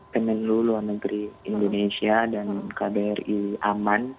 kemenlu luar negeri indonesia dan kbri aman